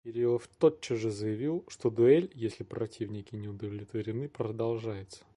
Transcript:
Кириллов тотчас же заявил, что дуэль, если противники не удовлетворены, продолжается.